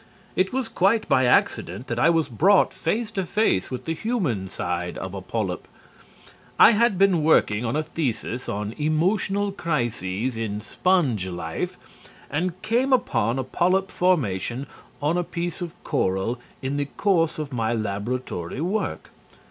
It was quite by accident that I was brought face to face with the human side of a polyp. I had been working on a thesis on "Emotional Crises in Sponge Life," and came upon a polyp formation on a piece of coral in the course of my laboratory work.